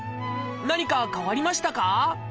何か変わりましたか？